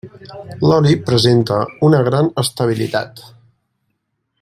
L'oli presenta una gran estabilitat.